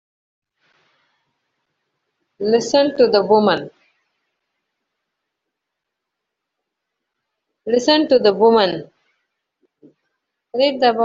Listen to the woman!